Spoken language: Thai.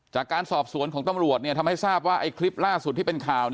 จากการสอบสวนของตำรวจทำให้ทราบว่าคลิปล่าสุดที่เป็นข่าว